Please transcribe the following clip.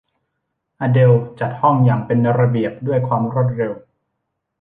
อเดลล์จัดห้องอย่างเป็นระเบียบด้วยความรวดเร็ว